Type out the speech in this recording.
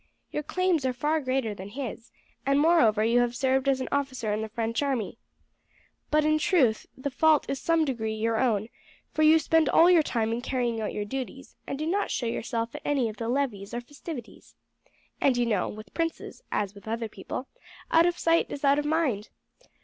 Your claims are far greater than his, and moreover you have served as an officer in the French army. But, in truth, the fault is in some degree your own, for you spend all your time in carrying out your duties, and do not show yourself at any of the levees or festivities. And you know, with princes, as with other people, out of sight is out of mind.